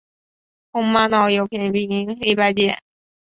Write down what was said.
红玛瑙有扁平黑白阶。